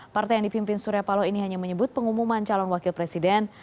partai yang dipimpin surya paloh ini hanya menyebut pengumuman calon wakil presiden